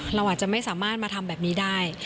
เราอาจจะไม่สามารถมาทำแบบนี้ได้